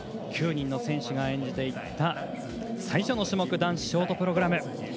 ９人の選手が演じていった最初の種目男子ショートプログラム。